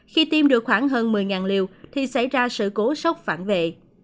khi tiêm được khoảng hơn một mươi liều thì xảy ra sự cố sốc phản vệ